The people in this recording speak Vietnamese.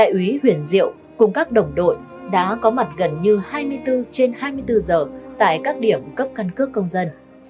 úy huyền diệu cùng các đồng đội đã có mặt gần như hai mươi bốn trên hai mươi bốn giờ tại các điểm cấp căn cước công dân